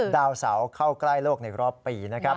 ดาวเสาเข้าใกล้โลกในรอบปีนะครับ